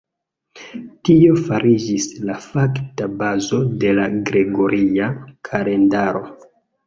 Tio fariĝis la fakta bazo de la gregoria kalendaro.